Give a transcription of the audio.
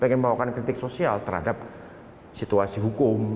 ingin melakukan kritik sosial terhadap situasi hukum